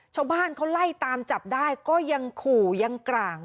ชาวบ้านเขาไล่ตามจับได้ก็ยังขู่ยังกลาง